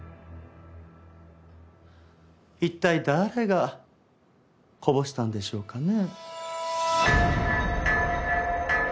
一体誰がこぼしたんでしょうかね。